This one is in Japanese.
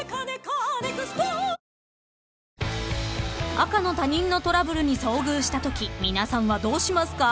［赤の他人のトラブルに遭遇したとき皆さんはどうしますか？］